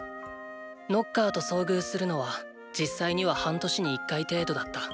ノッカーと遭遇するのは実際には半年に１回程度だった。